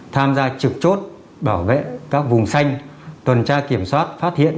tham gia trực chốt bảo vệ các vùng xanh tuần tra kiểm soát phát hiện